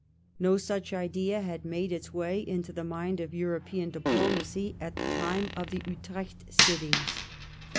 No such idea had made its way into the mind of European diplomacy at the time of the Utrecht sittings.